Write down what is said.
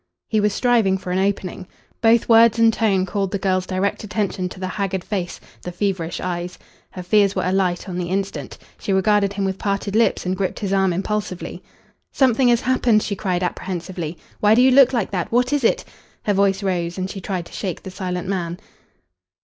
He was striving for an opening. Both words and tone called the girl's direct attention to the haggard face, the feverish eyes. Her fears were alight on the instant. She regarded him with parted lips and gripped his arm impulsively. "Something has happened!" she cried apprehensively. "Why do you look like that? What is it?" Her voice rose and she tried to shake the silent man.